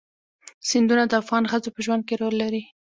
سیندونه د افغان ښځو په ژوند کې رول لري.